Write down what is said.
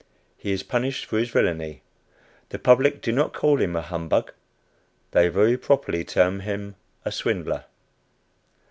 He is punished for his villainy. The public do not call him a "humbug;" they very properly term him a swindler.